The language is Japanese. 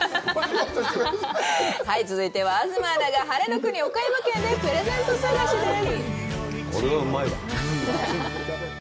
はい続いては東アナが晴れの国岡山県でプレゼント探しです